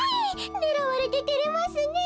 ねらわれててれますねえ。